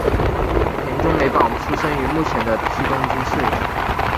田中美保出生于目前的西东京市。